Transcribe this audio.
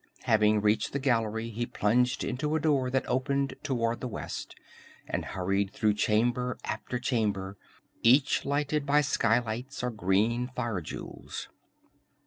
Having reached the gallery, he plunged into a door that opened toward the west, and hurried through chamber after chamber, each lighted by skylights or green fire jewels.